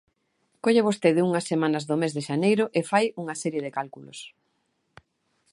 Colle vostede unhas semanas do mes de xaneiro e fai unha serie de cálculos.